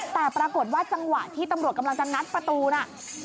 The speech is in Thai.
แต่ปรากฏว่าจังหวะที่ตำรวจกำลังจะงัดประตูน่ะ